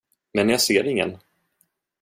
Men jag ser ingen.